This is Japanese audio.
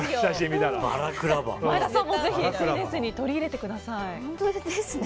前田さんもぜひ取り入れてください。